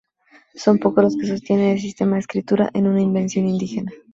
Son pocos los que sostienen que este sistema de escritura es una invención indígena.